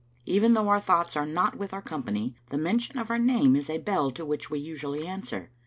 Bven though our thoughts are not with our company, the mention of our name is a bell to which we usually answer.